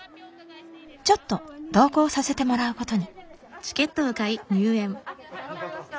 ちょっと同行させてもらうことに。